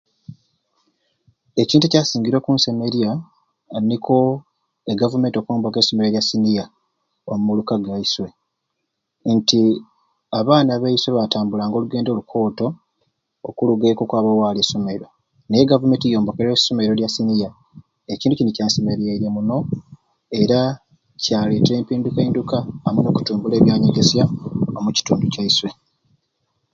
Ekintu ekyasingire okunsemerya nikwo e gavumenti okwomboka e somero lya siniya omu muluka gwaiswe nti abaana baiswe batambulanga olugendo lukooto okuluga eka okwaba ewali e somero naye e Gavumenti niombokero e somero lya siniya, ekintu kini kyansemererye muno era kyaleetere empindukainduka omu kutumbula ebyansomesya omukitundu kyaiswe